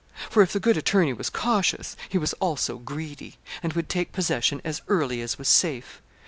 For if the good attorney was cautious, he was also greedy, and would take possession as early as was safe.